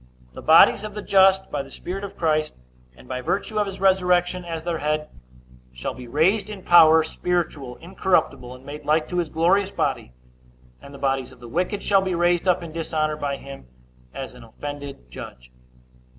The bodies of the just, by the Spirit of Christ, and by virtue of his resurrection as their head, shall be raised in power, spiritual, incorruptible, and made like to his glorious body; and the bodies of the wicked shall be raised up in dishonor by him, as an offended judge.